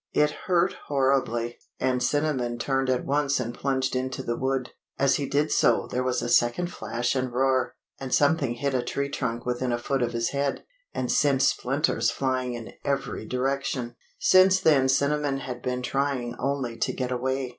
It hurt horribly, and Cinnamon turned at once and plunged into the wood. As he did so there was a second flash and roar, and something hit a tree trunk within a foot of his head, and sent splinters flying in every direction. Since then Cinnamon had been trying only to get away.